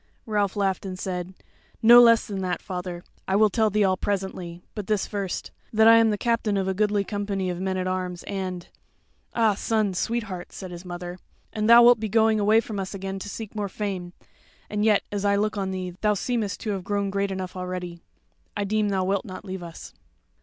Ralph laughed and said: "No less than that, father; I will tell thee all presently; but this first, that I am the captain of a goodly company of men at arms; and" "Ah, son, sweetheart," said his mother, "and thou wilt be going away from us again to seek more fame: and yet, as I look on thee thou seemest to have grown great enough already. I deem thou wilt not leave us."